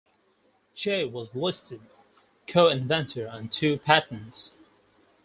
Jay was listed co-inventor on two patents.